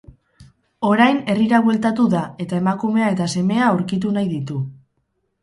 Orain herrira bueltatu da eta emakumea eta semea aurkitu nahi ditu.